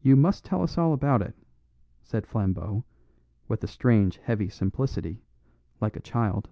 "You must tell us all about it," said Flambeau with a strange heavy simplicity, like a child.